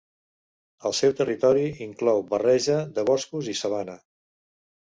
El seu territori inclou barreja de boscos i sabana.